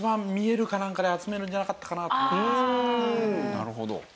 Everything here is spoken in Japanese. なるほど。